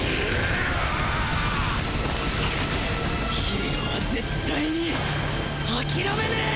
ヒーローは絶対に諦めねえ！